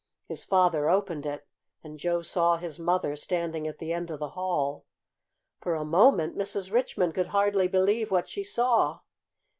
His father opened it, and Joe saw his mother standing at the end of the hall. For a moment Mrs. Richmond could hardly believe what she saw.